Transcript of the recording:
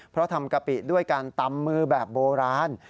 เพราะทำกะปิด้วยการตำมือแบบโบราณ